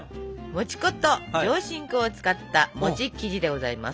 もち粉と上新粉を使った餅生地でございます。